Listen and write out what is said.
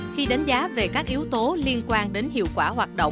khi đánh giá về các yếu tố liên quan đến hiệu quả hoạt động